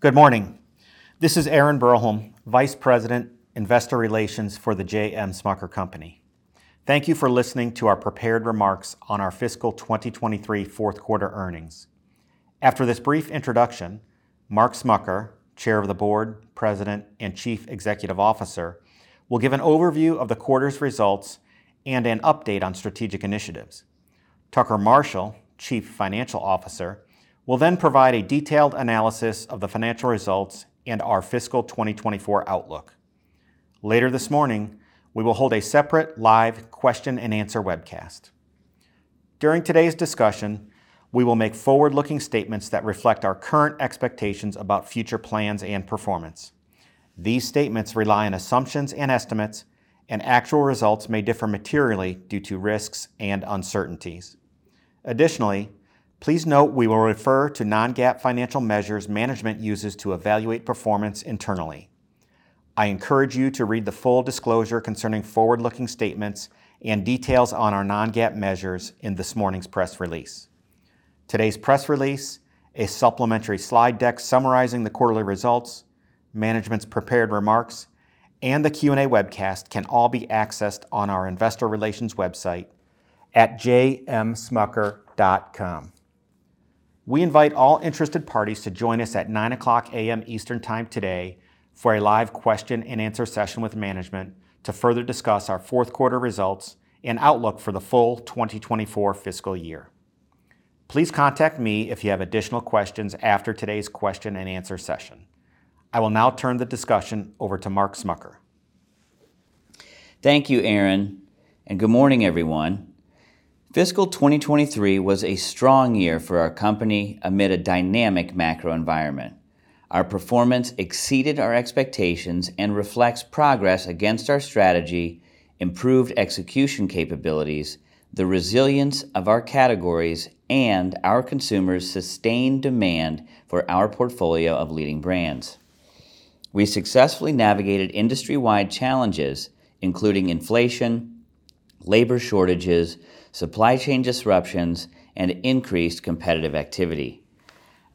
Good morning. This is Aaron Broholm, Vice President, Investor Relations for The J.M. Smucker Company. Thank you for listening to our prepared remarks on our fiscal 2023 fourth quarter earnings. After this brief introduction, Mark Smucker, Chair of the Board, President, and Chief Executive Officer, will give an overview of the quarter's results and an update on strategic initiatives. Tucker Marshall, Chief Financial Officer, will then provide a detailed analysis of the financial results and our fiscal 2024 outlook. Later this morning, we will hold a separate live question-and-answer webcast. During today's discussion, we will make forward-looking statements that reflect our current expectations about future plans and performance. These statements rely on assumptions and estimates, and actual results may differ materially due to risks and uncertainties. Additionally, please note we will refer to non-GAAP financial measures that Management uses to evaluate performance internally. I encourage you to read the full disclosure concerning forward-looking statements and details on our non-GAAP measures in this morning's press release. Today's press release, a supplementary slide deck summarizing the quarterly results, Management's prepared remarks, and the Q&A webcast can all be accessed on our Investor Relations website at jmsmucker.com. We invite all interested parties to join us at 9:00 A.M. Eastern Time today for a live question-and-answer session with management to further discuss our fourth quarter results and outlook for the full 2024 fiscal year. Please contact me if you have additional questions after today's question-and-answer session. I will now turn the discussion over to Mark Smucker. Thank you, Aaron, and good morning, everyone. Fiscal 2023 was a strong year for our company amid a dynamic macro environment. Our performance exceeded our expectations and reflects progress against our strategy, improved execution capabilities, the resilience of our categories, and our consumers' sustained demand for our portfolio of leading brands. We successfully navigated industry-wide challenges, including inflation, labor shortages, supply chain disruptions, and increased competitive activity.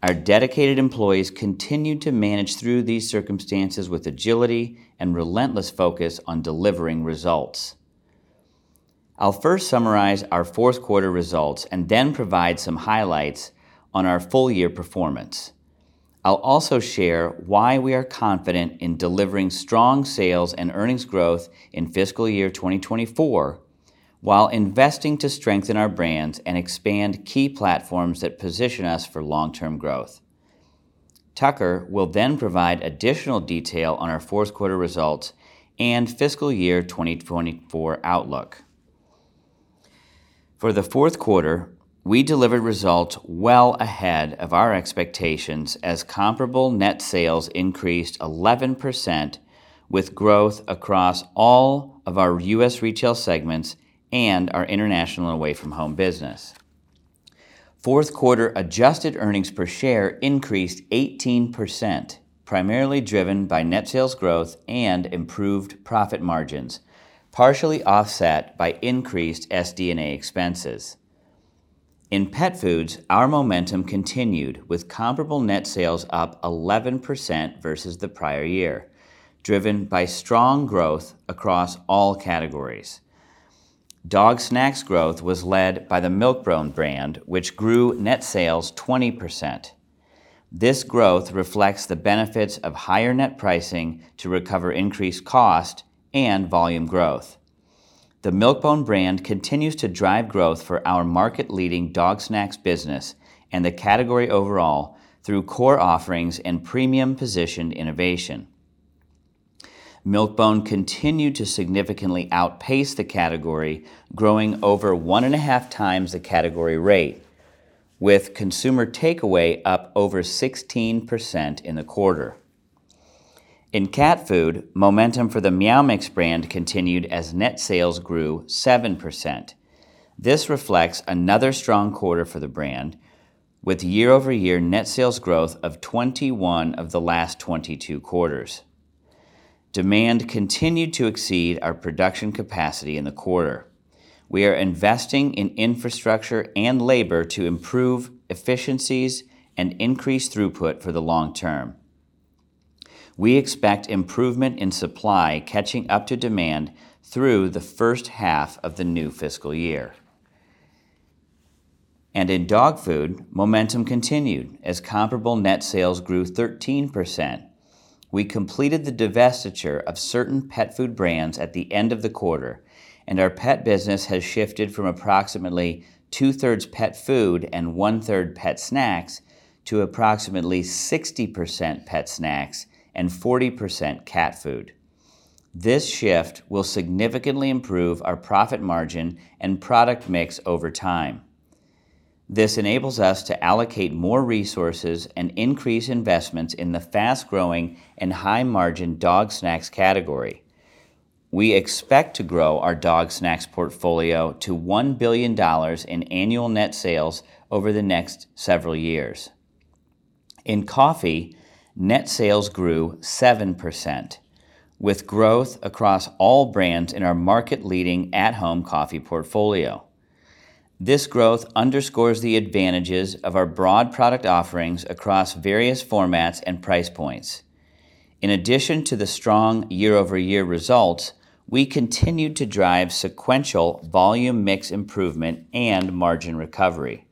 Our dedicated employees continued to manage through these circumstances with agility and relentless focus on delivering results. I'll first summarize our fourth quarter results and then provide some highlights on our full-year performance. I'll also share why we are confident in delivering strong sales and earnings growth in fiscal year 2024, while investing to strengthen our brands and expand key platforms that position us for long-term growth. Tucker will provide additional detail on our fourth quarter results and fiscal year 2024 outlook. For the fourth quarter, we delivered results well ahead of our expectations as comparable net sales increased 11%, with growth across all of our U.S. retail segments and our International and Away From Home business. Fourth quarter adjusted earnings per share increased 18%, primarily driven by net sales growth and improved profit margins, partially offset by increased SD&A expenses. In pet foods, our momentum continued, with comparable net sales up 11% versus the prior year, driven by strong growth across all categories. Dog snacks growth was led by the Milk-Bone brand, which grew net sales 20%. This growth reflects the benefits of higher net pricing to recover increased cost and volume growth. The Milk-Bone brand continues to drive growth for our market-leading dog snacks business and the category overall through core offerings and premium-positioned innovation. Milk-Bone continued to significantly outpace the category, growing over 1.5x the category rate, with consumer takeaway up over 16% in the quarter. In cat food, momentum for the Meow Mix brand continued as net sales grew 7%. This reflects another strong quarter for the brand, with year-over-year net sales growth of 21 of the last 22 quarters. Demand continued to exceed our production capacity in the quarter. We are investing in infrastructure and labor to improve efficiencies and increase throughput for the long term. We expect improvement in supply catching up to demand through the first half of the new fiscal year. In dog food, momentum continued as comparable net sales grew 13%. We completed the divestiture of certain pet food brands at the end of the quarter, and our pet business has shifted from approximately 2/3 pet food and 1/3 pet snacks to approximately 60% pet snacks and 40% cat food. This shift will significantly improve our profit margin and product mix over time. This enables us to allocate more resources and increase investments in the fast-growing and high-margin dog snacks category. We expect to grow our dog snacks portfolio to $1 billion in annual net sales over the next several years. In coffee, net sales grew 7%, with growth across all brands in our market-leading at-home coffee portfolio. This growth underscores the advantages of our broad product offerings across various formats and price points. In addition to the strong year-over-year results, we continued to drive sequential volume mix improvement and margin recovery.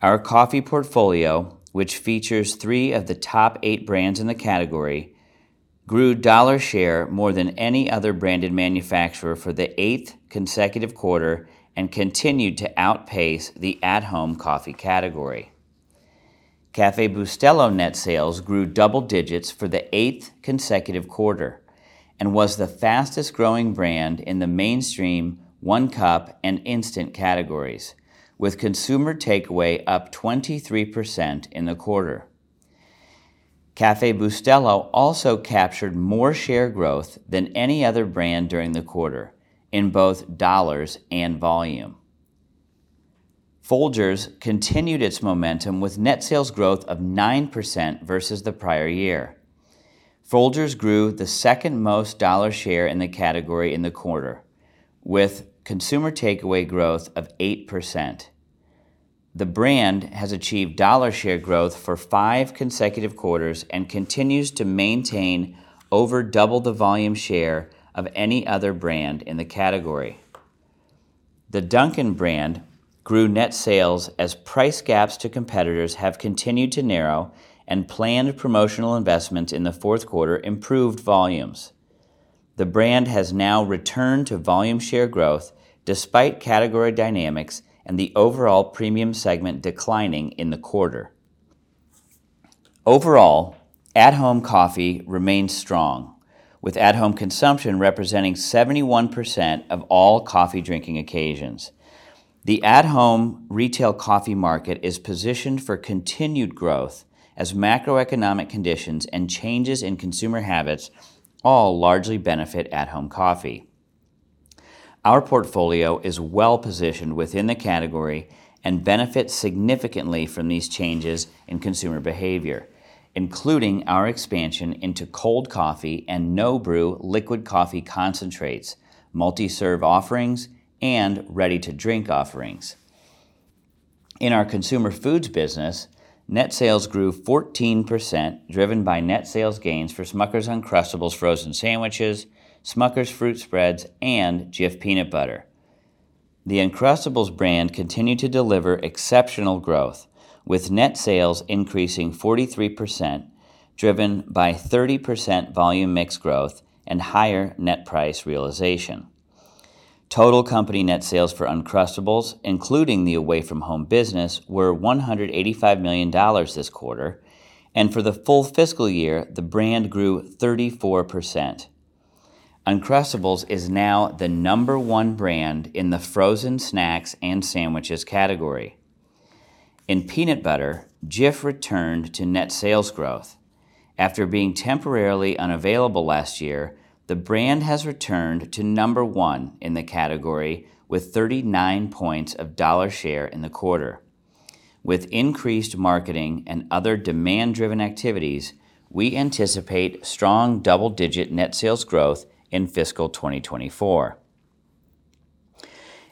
Our coffee portfolio, which features 3 of the top 8 brands in the category, grew dollar share more than any other branded manufacturer for the 8th consecutive quarter and continued to outpace the at-home coffee category. Café Bustelo net sales grew double digits for the 8th consecutive quarter and were the fastest-growing brand in the mainstream, one-cup, and instant categories, with consumer takeaway up 23% in the quarter. Café Bustelo also captured more share growth than any other brand during the quarter in both dollars and volume. Folgers continued its momentum with net sales growth of 9% versus the prior year. Folgers grew the 2nd-most dollar share in the category in the quarter, with consumer takeaway growth of 8%. The brand has achieved dollar share growth for five consecutive quarters and continues to maintain over double the volume share of any other brand in the category. The Dunkin' brand grew net sales as price gaps to competitors have continued to narrow, and planned promotional investments in the fourth quarter improved volumes. The brand has now returned to volume share growth despite category dynamics and the overall premium segment declining in the quarter. Overall, at-home coffee remains strong, with at-home consumption representing 71% of all coffee-drinking occasions. The at-home retail coffee market is positioned for continued growth as macroeconomic conditions and changes in consumer habits all largely benefit at-home coffee. Our portfolio is well-positioned within the category and benefits significantly from these changes in consumer behavior, including our expansion into cold coffee and no-brew liquid coffee concentrates, multi-serve offerings, and ready-to-drink offerings. In our consumer foods business, net sales grew 14%, driven by net sales gains for Smucker's Uncrustables frozen sandwiches, Smucker's Fruit Spreads, and Jif Peanut Butter. The Uncrustables brand continued to deliver exceptional growth, with net sales increasing 43%, driven by 30% volume mix growth and higher net price realization. Total company net sales for Uncrustables, including the away-from-home business, were $185 million this quarter, and for the full fiscal year, the brand grew 34%. Uncrustables is now the number one brand in the frozen snacks and sandwiches category. In peanut butter, Jif returned to net sales growth. After being temporarily unavailable last year, the brand has returned to number one in the category with 39 points of dollar share in the quarter. With increased marketing and other demand-driven activities, we anticipate strong double-digit net sales growth in fiscal 2024.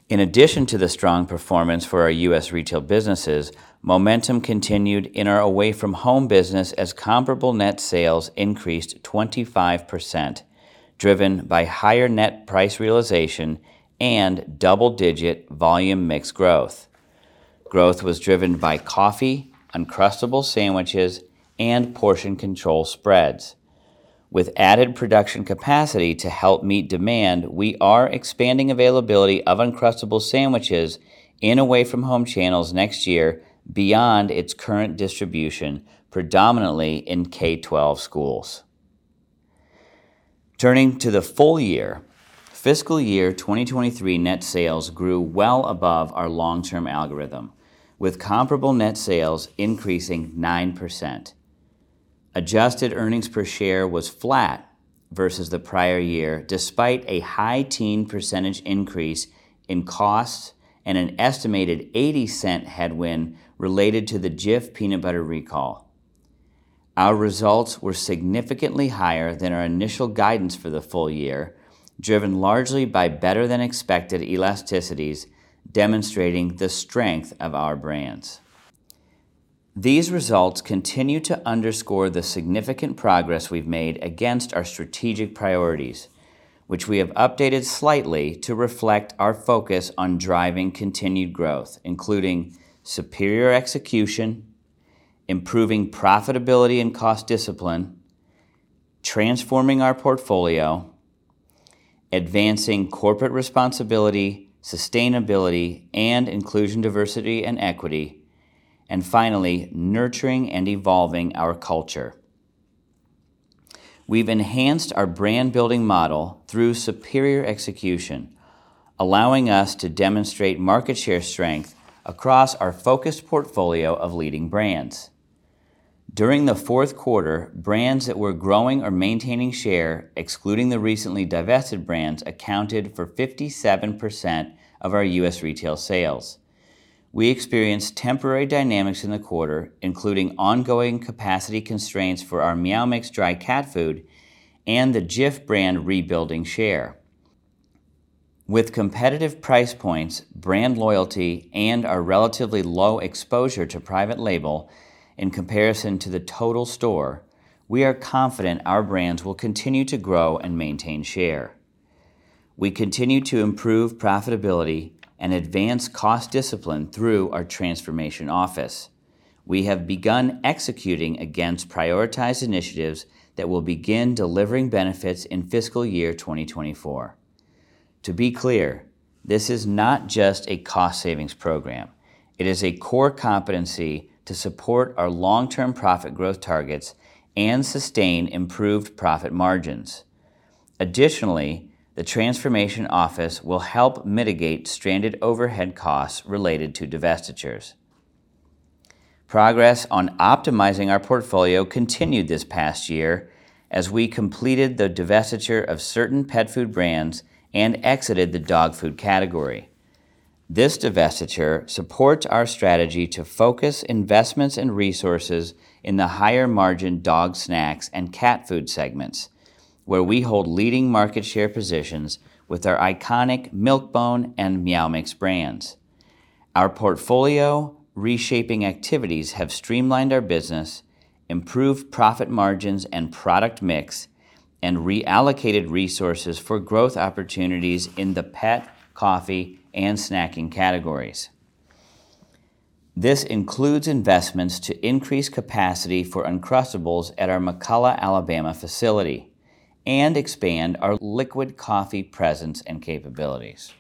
In addition to the strong performance for our U.S. retail businesses, momentum continued in our Away From Home business as comparable net sales increased 25%, driven by higher net price realization and double-digit volume mix growth. Growth was driven by coffee, Uncrustables sandwiches, and portion control spreads. With added production capacity to help meet demand, we are expanding the availability of Uncrustables sandwiches in Away From Home channels next year beyond its current distribution, predominantly in K-12 schools. Turning to the full year, fiscal year 2023 net sales grew well above our long-term algorithm, with comparable net sales increasing 9%. Adjusted earnings per share was flat versus the prior year, despite a high teen percentage increase in costs and an estimated $0.80 headwind related to the Jif Peanut Butter recall. Our results were significantly higher than our initial guidance for the full year, driven largely by better-than-expected elasticities, demonstrating the strength of our brands. These results continue to underscore the significant progress we've made against our strategic priorities, which we have updated slightly to reflect our focus on driving continued growth, including superior execution, improving profitability and cost discipline, transforming our portfolio, advancing corporate responsibility, sustainability, and inclusion, diversity, and equity, and finally, nurturing and evolving our culture. We've enhanced our brand-building model through superior execution, allowing us to demonstrate market share strength across our focused portfolio of leading brands. During the fourth quarter, brands that were growing or maintaining share, excluding the recently divested brands, accounted for 57% of our U.S. retail sales. We experienced temporary dynamics in the quarter, including ongoing capacity constraints for our Meow Mix dry cat food and the Jif brand rebuilding share. With competitive price points, brand loyalty, and our relatively low exposure to private label in comparison to the total store, we are confident our brands will continue to grow and maintain share. We continue to improve profitability and advance cost discipline through our Transformation Office. We have begun executing against prioritized initiatives that will begin delivering benefits in fiscal year 2024. To be clear, this is not just a cost savings program. It is a core competency to support our long-term profit growth targets and sustain improved profit margins. Additionally, the Transformation Office will help mitigate stranded overhead costs related to divestitures. Progress on optimizing our portfolio continued this past year as we completed the divestiture of certain pet food brands and exited the dog food category. This divestiture supports our strategy to focus investments and resources in the higher-margin dog snacks and cat food segments, where we hold leading market share positions with our iconic Milk-Bone and Meow Mix brands. Our portfolio reshaping activities have streamlined our business, improved profit margins and product mix, and reallocated resources for growth opportunities in the pet, coffee, and snacking categories. This includes investments to increase capacity for Uncrustables at our McCalla, Alabama, facility and expand our liquid coffee presence and capabilities.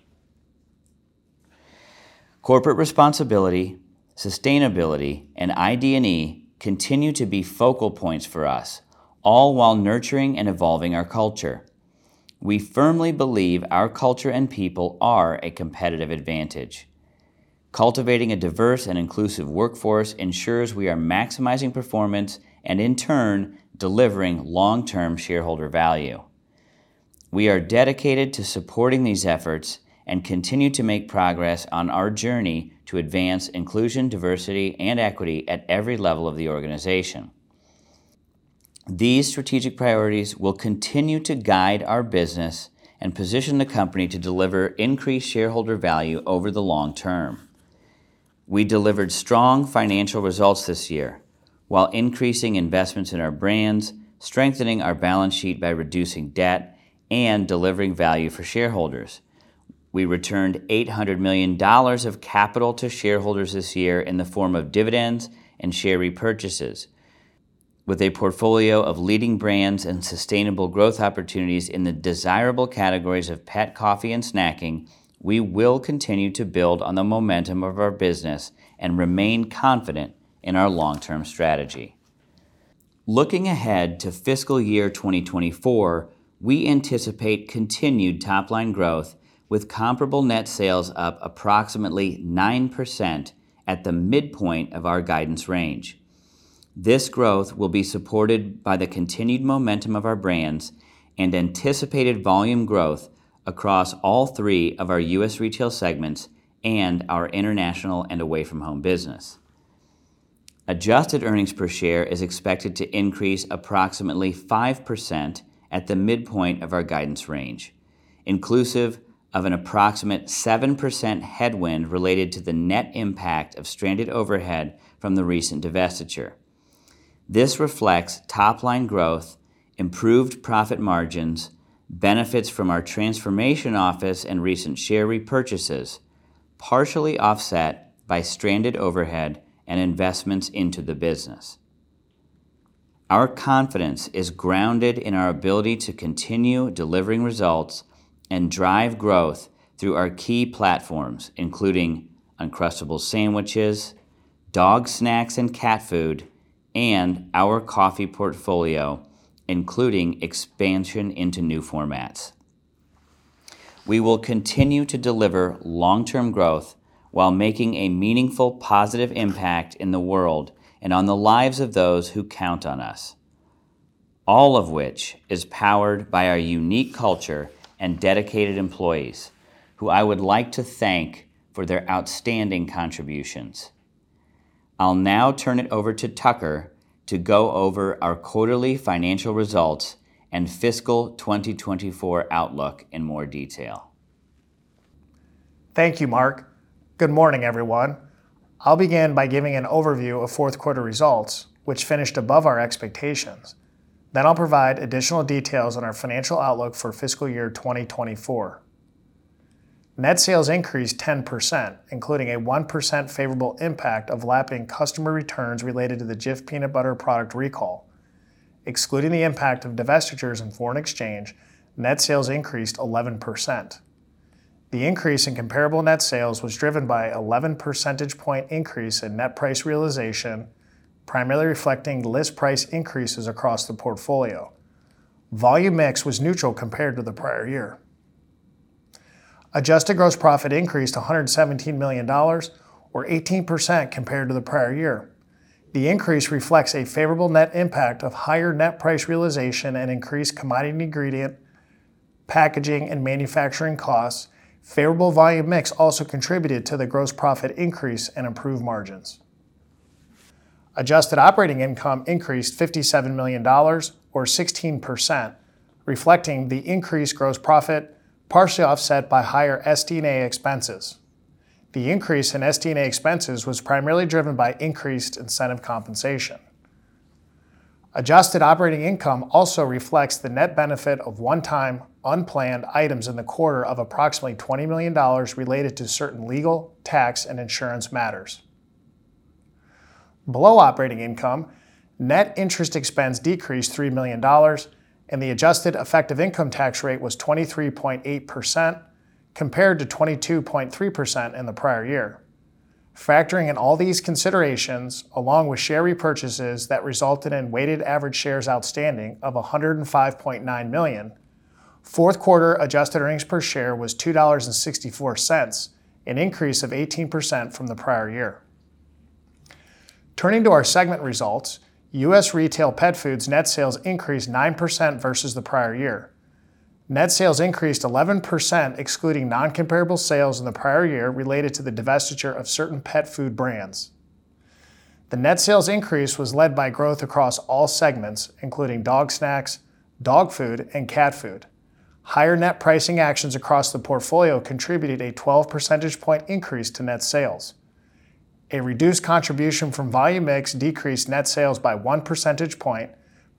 Corporate responsibility, sustainability, and ID&E continue to be focal points for us, all while nurturing and evolving our culture. We firmly believe our culture and people are a competitive advantage. Cultivating a diverse and inclusive workforce ensures we are maximizing performance and, in turn, delivering long-term shareholder value. We are dedicated to supporting these efforts and continue to make progress on our journey to advance inclusion, diversity, and equity at every level of the organization. These strategic priorities will continue to guide our business and position the company to deliver increased shareholder value over the long term. We delivered strong financial results this year while increasing investments in our brands, strengthening our balance sheet by reducing debt, and delivering value for shareholders. We returned $800 million of capital to shareholders this year in the form of dividends and share repurchases. With a portfolio of leading brands and sustainable growth opportunities in the desirable categories of pet, coffee, and snacking, we will continue to build on the momentum of our business and remain confident in our long-term strategy. Looking ahead to fiscal year 2024, we anticipate continued top-line growth, with comparable net sales up approximately 9% at the midpoint of our guidance range. This growth will be supported by the continued momentum of our brands and anticipated volume growth across all three of our U.S. retail segments and our International and Away From Home business. Adjusted earnings per share are expected to increase approximately 5% at the midpoint of our guidance range, inclusive of an approximate 7% headwind related to the net impact of stranded overhead from the recent divestiture. This reflects top-line growth, improved profit margins, benefits from our Transformation Office and recent share repurchases, partially offset by stranded overhead and investments into the business. Our confidence is grounded in our ability to continue delivering results and drive growth through our key platforms, including Uncrustable sandwiches, dog snacks and cat food, and our coffee portfolio, including expansion into new formats. We will continue to deliver long-term growth while making a meaningful, positive impact in the world and on the lives of those who count on us, all of which is powered by our unique culture and dedicated employees, who I would like to thank for their outstanding contributions. I'll now turn it over to Tucker to go over our quarterly financial results and fiscal 2024 outlook in more detail. Thank you, Mark. Good morning, everyone. I'll begin by giving an overview of the fourth quarter results, which finished above our expectations. I'll provide additional details on our financial outlook for fiscal year 2024. Net sales increased 10%, including a 1% favorable impact of lapping customer returns related to the Jif Peanut Butter product recall. Excluding the impact of divestitures and foreign exchange, net sales increased 11%. The increase in comparable net sales was driven by 11 percentage point increase in net price realization, primarily reflecting list price increases across the portfolio. Volume mix was neutral compared to the prior year. Adjusted gross profit increased to $117 million, or 18%, compared to the prior year. The increase reflects a favorable net impact of higher net price realization and increased commodity. packaging and manufacturing costs, a favorable volume mix also contributed to the gross profit increase and improved margins. Adjusted operating income increased $57 million or 16%, reflecting the increased gross profit, partially offset by higher SD&A expenses. The increase in SD&A expenses was primarily driven by increased incentive compensation. Adjusted operating income also reflects the net benefit of one-time, unplanned items in the quarter of approximately $20 million related to certain legal, tax, and insurance matters. Below operating income, net interest expense decreased $3 million, and the adjusted effective income tax rate was 23.8%, compared to 22.3% in the prior year. Factoring in all these considerations, along with share repurchases that resulted in weighted average shares outstanding of 105.9 million, fourth quarter adjusted earnings per share were $2.64, an increase of 18% from the prior year. Turning to our segment results, U.S. Retail Pet Foods net sales increased 9% versus the prior year. Net sales increased 11%, excluding non-comparable sales in the prior year related to the divestiture of certain pet food brands. The net sales increase was led by growth across all segments, including dog snacks, dog food, and cat food. Higher net pricing actions across the portfolio contributed a 12 percentage point increase to net sales. A reduced contribution from volume mix decreased net sales by 1 percentage point,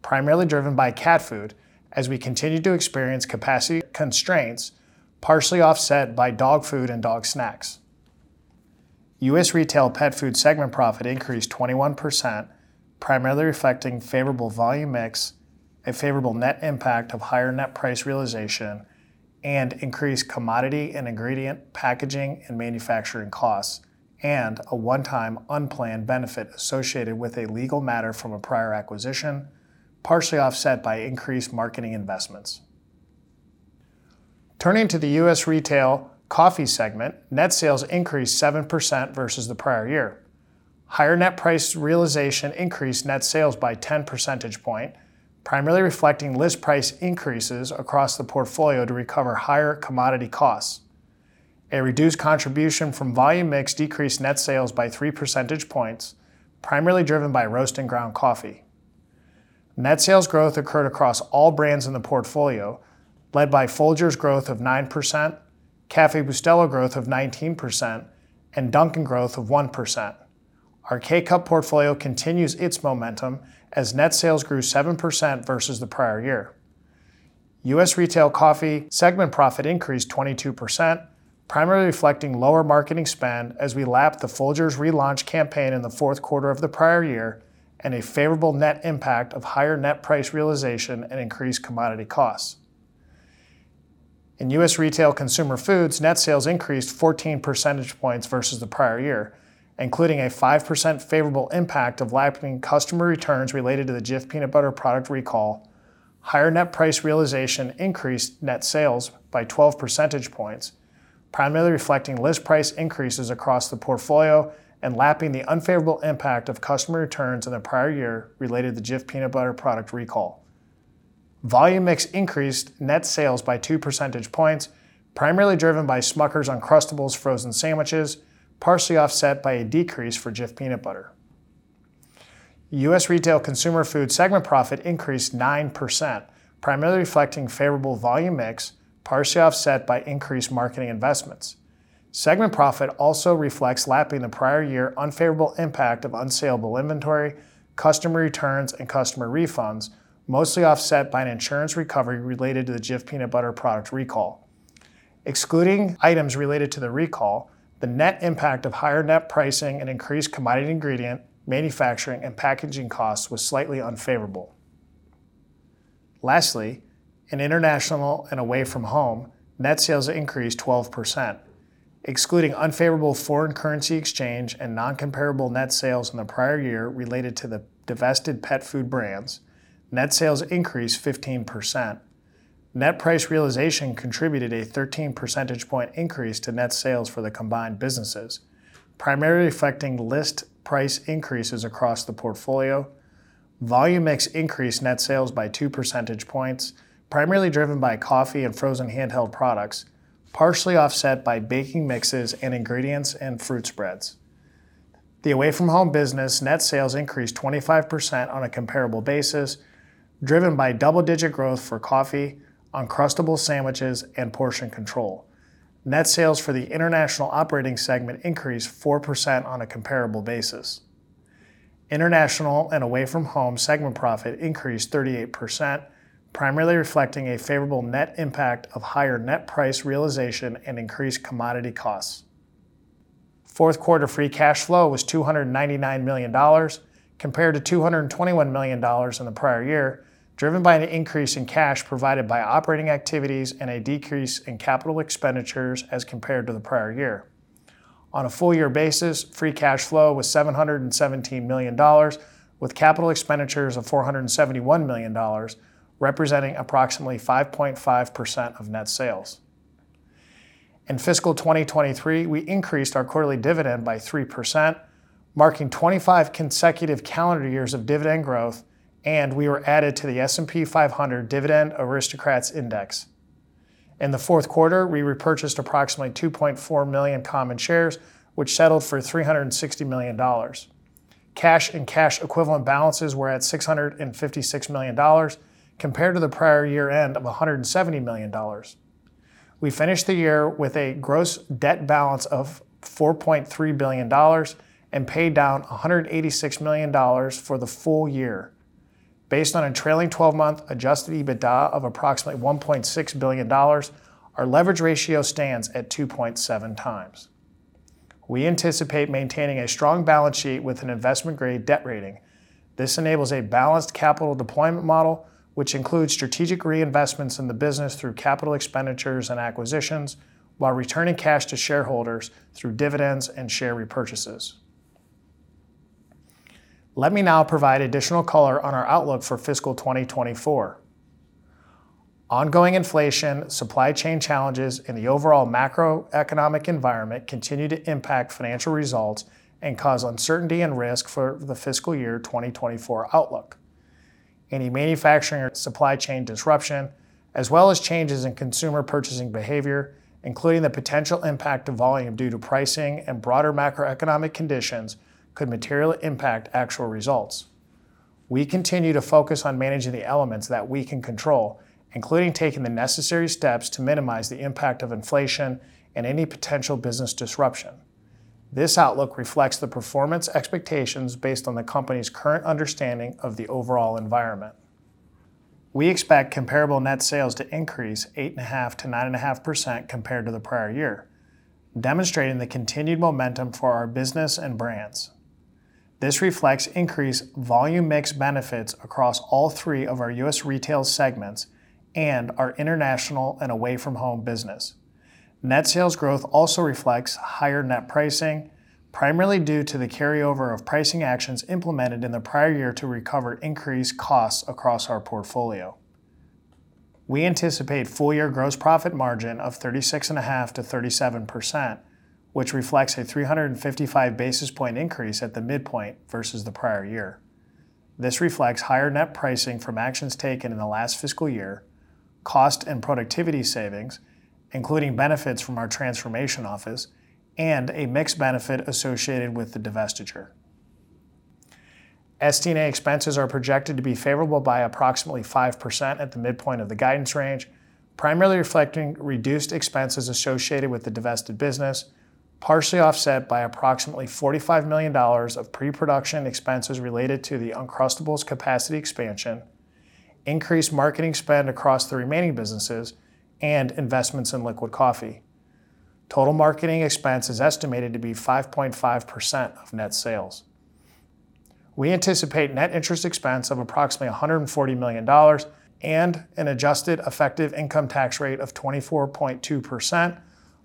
primarily driven by cat food, as we continued to experience capacity constraints, partially offset by dog food and dog snacks. U.S. Retail Pet Foods segment profit increased 21%, primarily reflecting a favorable volume mix, a favorable net impact of higher net price realization, and increased commodity and ingredient, packaging, and manufacturing costs, and a one-time unplanned benefit associated with a legal matter from a prior acquisition, partially offset by increased marketing investments. Turning to the U.S. Retail Coffee segment, net sales increased 7% versus the prior year. Higher net price realization increased net sales by 10 percentage points, primarily reflecting list price increases across the portfolio to recover higher commodity costs. A reduced contribution from volume mix decreased net sales by 3 percentage points, primarily driven by roast and ground coffee. Net sales growth occurred across all brands in the portfolio, led by Folgers growth of 9%, Café Bustelo's growth of 19%, and Dunkin's growth of 1%. Our K-Cup portfolio continues its momentum as net sales grew 7% versus the prior year. U.S. Retail Coffee segment profit increased 22%, primarily reflecting lower marketing spend as we lapped the Folgers relaunch campaign in the fourth quarter of the prior year, and a favorable net impact of higher net price realization and increased commodity costs. In U.S. Retail Consumer Foods, net sales increased 14 percentage points versus the prior year, including a 5% favorable impact of lapping customer returns related to the Jif Peanut Butter product recall. Higher net price realization increased net sales by 12 percentage points, primarily reflecting list price increases across the portfolio and lapping the unfavorable impact of customer returns in the prior year related to the Jif Peanut Butter product recall. Volume mix increased net sales by 2 percentage points, primarily driven by Smucker's Uncrustables frozen sandwiches, partially offset by a decrease for Jif Peanut Butter. U.S. Retail Consumer Foods segment profit increased 9%, primarily reflecting a favorable volume mix, partially offset by increased marketing investments. Segment profit also reflects lapping the prior year unfavorable impact of unsalable inventory, customer returns, and customer refunds, mostly offset by an insurance recovery related to the Jif Peanut Butter product recall. Excluding items related to the recall, the net impact of higher net pricing and increased commodity ingredient, manufacturing, and packaging costs was slightly unfavorable. Lastly, in International and Away From Home, net sales increased 12%. Excluding unfavorable foreign currency exchange and non-comparable net sales in the prior year related to the divested pet food brands, net sales increased 15%. Net price realization contributed a 13 percentage point increase to net sales for the combined businesses, primarily affecting list price increases across the portfolio. Volume mix increased net sales by 2 percentage points, primarily driven by coffee and frozen handheld products, partially offset by baking mixes and ingredients and Fruit Spreads. The Away From Home business net sales increased 25% on a comparable basis, driven by double-digit growth for coffee, Uncrustable sandwiches, and portion control. Net sales for the international operating segment increased 4% on a comparable basis. International and Away From Home segment profit increased 38%, primarily reflecting a favorable net impact of higher net price realization and increased commodity costs. Fourth quarter free cash flow was $299 million, compared to $221 million in the prior year, driven by an increase in cash provided by operating activities and a decrease in capital expenditures as compared to the prior year. On a full year basis, free cash flow was $717 million, with capital expenditures of $471 million, representing approximately 5.5% of net sales. In fiscal 2023, we increased our quarterly dividend by 3%, marking 25 consecutive calendar years of dividend growth, we were added to the S&P 500 Dividend Aristocrats Index. In the fourth quarter, we repurchased approximately $2.4 million of common shares, which settled for $360 million. Cash and cash equivalent balances were at $656 million, compared to the prior year end of $170 million. We finished the year with a gross debt balance of $4.3 billion and paid down $186 million for the full year. Based on a trailing twelve-month adjusted EBITDA of approximately $1.6 billion, our leverage ratio stands at 2.7x. We anticipate maintaining a strong balance sheet with an investment-grade debt rating. This enables a balanced capital deployment model, which includes strategic reinvestments in the business through capital expenditures and acquisitions, while returning cash to shareholders through dividends and share repurchases. Let me now provide additional color on our outlook for fiscal 2024. Ongoing inflation, supply chain challenges, and the overall macroeconomic environment continue to impact financial results and cause uncertainty and risk for the fiscal year 2024 outlook. Any manufacturing or supply chain disruption, as well as changes in consumer purchasing behavior, including the potential impact of volume due to pricing and broader macroeconomic conditions, could materially impact actual results. We continue to focus on managing the elements that we can control, including taking the necessary steps to minimize the impact of inflation and any potential business disruption. This outlook reflects the performance expectations based on the company's current understanding of the overall environment. We expect comparable net sales to increase 8.5%-9.5% compared to the prior year, demonstrating the continued momentum for our business and brands. This reflects increased volume mix benefits across all three of our U.S. retail segments and our International and Away From Home business. Net sales growth also reflects higher net pricing, primarily due to the carryover of pricing actions implemented in the prior year to recover increased costs across our portfolio. We anticipate a full-year gross profit margin of 36.5%-37%, which reflects a 355 basis point increase at the midpoint versus the prior year. This reflects higher net pricing from actions taken in the last fiscal year, cost and productivity savings, including benefits from our Transformation Office, and a mix benefit associated with the divestiture. SD&A expenses are projected to be favorable by approximately 5% at the midpoint of the guidance range, primarily reflecting reduced expenses associated with the divested business, partially offset by approximately $45 million of pre-production expenses related to the Uncrustables capacity expansion, increased marketing spend across the remaining businesses, and investments in liquid coffee. Total marketing expense is estimated to be 5.5% of net sales. We anticipate net interest expense of approximately $140 million and an adjusted effective income tax rate of 24.2%,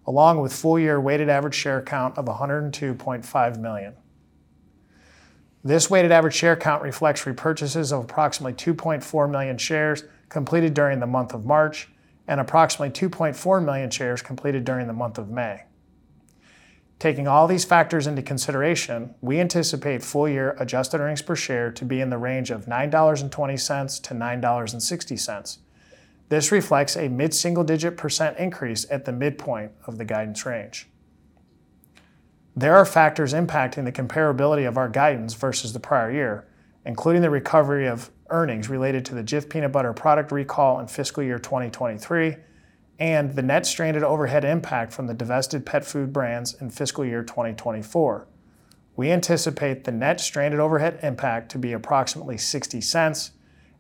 along with a full-year weighted average share count of 102.5 million. This weighted average share count reflects repurchases of approximately 2.4 million shares completed during the month of March and approximately 2.4 million shares completed during the month of May. Taking all these factors into consideration, we anticipate full-year adjusted earnings per share to be in the range of $9.20-$9.60. This reflects a mid-single-digit percent increase at the midpoint of the guidance range. There are factors impacting the comparability of our guidance versus the prior year, including the recovery of earnings related to the Jif Peanut Butter product recall in fiscal year 2023 and the net stranded overhead impact from the divested pet food brands in fiscal year 2024. We anticipate the net stranded overhead impact to be approximately $0.60,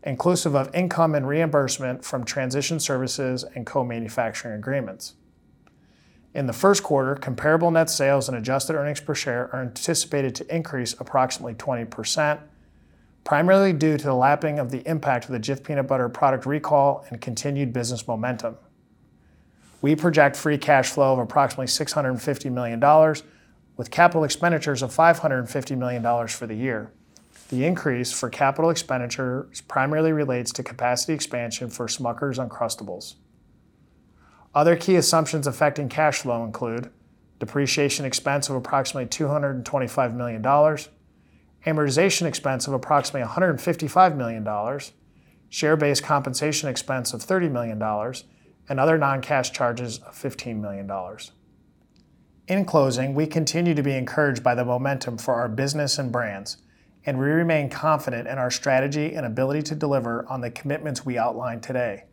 inclusive of income and reimbursement from transition services and co-manufacturing agreements. In the first quarter, comparable net sales and adjusted earnings per share are anticipated to increase approximately 20%, primarily due to the lapping of the impact of the Jif Peanut Butter product recall and continued business momentum. We project free cash flow of approximately $650 million, with capital expenditures of $550 million for the year. The increase in capital expenditures primarily relates to capacity expansion for Smucker's Uncrustables. Other key assumptions affecting cash flow include depreciation expense of approximately $225 million, amortization expense of approximately $155 million, share-based compensation expense of $30 million, and other non-cash charges of $15 million. In closing, we continue to be encouraged by the momentum for our business and brands. We remain confident in our strategy and ability to deliver on the commitments we outlined today.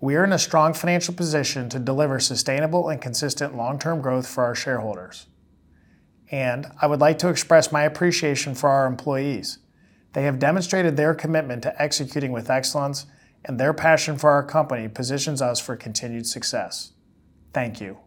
We are in a strong financial position to deliver sustainable and consistent long-term growth for our shareholders. I would like to express my appreciation for our employees. They have demonstrated their commitment to executing with excellence. Their passion for our company positions us for continued success. Thank you.